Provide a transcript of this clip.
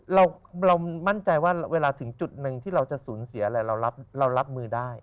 เรามั่นใจว่าเวลาถึงจุดหนึ่งที่เราจะสูญเสียอะไรเรารับมือได้